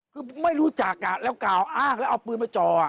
คือไม่รู้จักแล้วกล่าวอ้างแล้วเอาปืนมาจ่อ